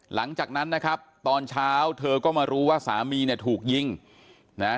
หลังจากนั้นนะครับตอนเช้าเธอก็มารู้ว่าสามีเนี่ยถูกยิงนะฮะ